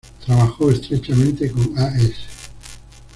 Trabajó estrechamente con A.Ş.